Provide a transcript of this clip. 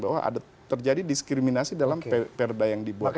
bahwa terjadi diskriminasi dalam perda yang dibuat oleh mereka